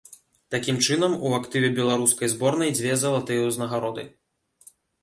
Такім чынам, у актыве беларускі зборнай дзве залатыя ўзнагароды.